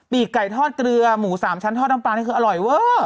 ปีกไก่ทอดเกลือหมูสามชั้นทอดดำปานี่คืออร่อยเว้อ